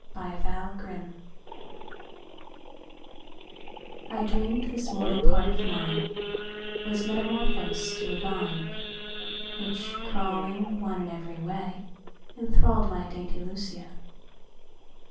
by Robert Herrick I DREAM'D this mortal part of mine Was Metamorphoz'd to a Vine; Which crawling one and every way, Enthrall'd my dainty Lucia.